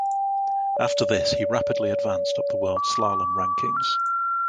After this he rapidly advanced up the world slalom rankings.